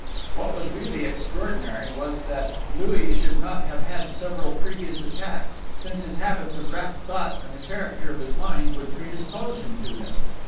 What was really extraordinary was that Louis should not have had several previous attacks, since his habits of rapt thought and the character of his mind would predispose him to them.